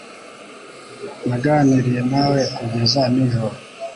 Naganiriye nawe kugeza nijoro